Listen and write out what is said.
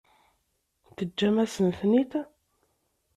Teǧǧam-asen-ten-id?